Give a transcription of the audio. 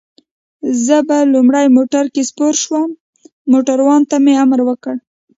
زه په لومړي موټر کې سپور شوم، موټروان ته مې امر وکړ.